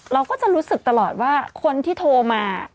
เราก็จะรู้สึกตลอดว่าคนที่โทรมา